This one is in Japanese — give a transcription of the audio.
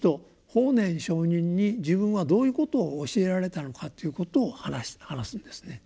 法然上人に自分はどういうことを教えられたのかということを話すんですね。